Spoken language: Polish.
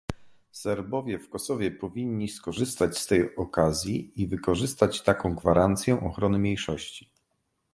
Serbowie w Kosowie powinni skorzystać z tej okazji i wykorzystać taką gwarancję ochrony mniejszości